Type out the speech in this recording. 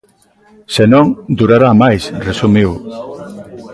Se non, durará máis, resumiu.